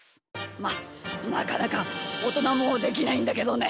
まあなかなかおとなもできないんだけどね。